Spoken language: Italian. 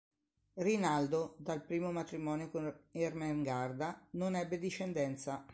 Rinaldo, dal primo matrimonio con Ermengarda, non ebbe discendenza.